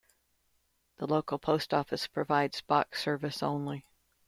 The local post office provides box service only.